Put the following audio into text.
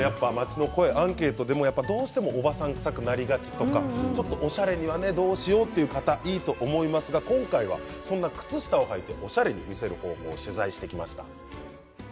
アンケートでもどうしてもおばさんくさくなりがちとかおしゃれにはどうしようという方いると思いますが今回は靴下をはいておしゃれに見せる方法を取材してきました。